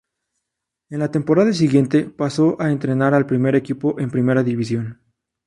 En la temporada siguiente, pasó a entrenar al primer equipo en Primera División.